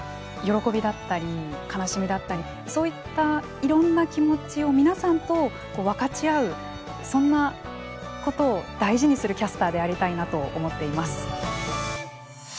喜びだったり悲しみだったりそういったいろんな気持ちを皆さんと分かち合うそんなことを大事にするキャスターでありたいなと思っています。